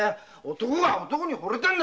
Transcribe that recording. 男が男にほれたんだ！